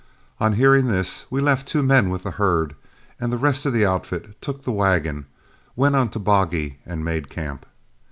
On hearing this, we left two men with the herd, and the rest of the outfit took the wagon, went on to Boggy, and made camp.